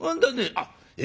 「あっえ